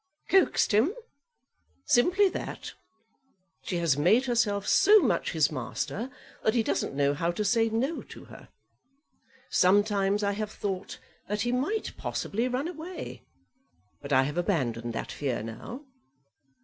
"Coaxed him; simply that. She has made herself so much his master that he doesn't know how to say no to her. Sometimes I have thought that he might possibly run away, but I have abandoned that fear now.